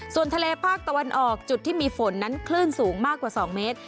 ส่วนทะเลภาคตะวันออกจุดที่มีฝนนั้นคลื่นสูงมากกว่า๒เมตร